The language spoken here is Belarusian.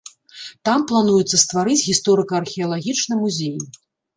Там плануецца стварыць гісторыка-археалагічны музей.